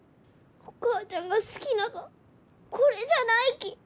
お母ちゃんが好きながはこれじゃないき。